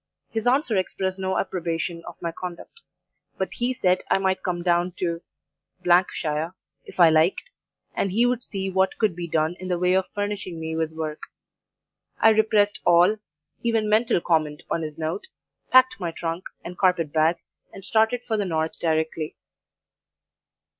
His answer expressed no approbation of my conduct, but he said I might come down to shire, if I liked, and he would 'see what could be done in the way of furnishing me with work.' I repressed all even mental comment on his note packed my trunk and carpet bag, and started for the North directly.